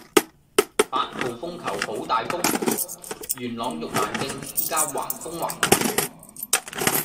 八號風球好大風，元朗玉蘭徑依家橫風橫雨